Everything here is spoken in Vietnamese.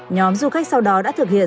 nhóm du khách sau đó đã thực hiện